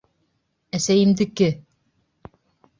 Әсәйемдеке!